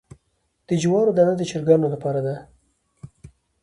د جوارو دانه د چرګانو لپاره ده.